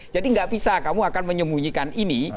jadi nggak bisa kamu akan menyembunyikan ini